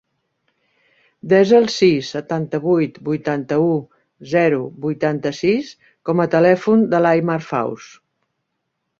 Desa el sis, setanta-vuit, vuitanta-u, zero, vuitanta-sis com a telèfon de l'Aimar Faus.